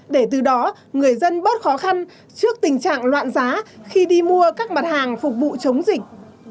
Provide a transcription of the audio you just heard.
để từ đó người dân bớt khó khăn trước tình trạng loạn giá khi đi mua các mặt hàng phục vụ chống dịch